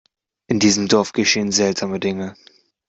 In diesem Dorf geschehen seltsame Dinge!